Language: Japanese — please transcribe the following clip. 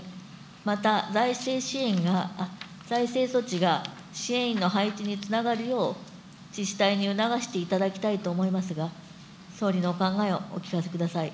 また財政支援が、財政措置が、支援員の配置につながるよう自治体に促していただきたいと思いますが、総理のお考えをお聞かせください。